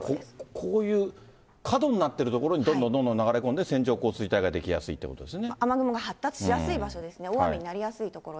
こういう角になっている所に、どんどんどんどん流れ込んで線状降水帯が出来やすいということで雨雲が発達しやすい場所です